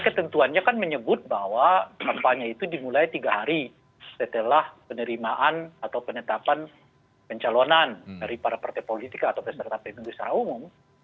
ketentuannya kan menyebut bahwa kampanye itu dimulai tiga hari setelah penerimaan atau penetapan pencalonan dari para partai politik atau peserta pemilu secara umum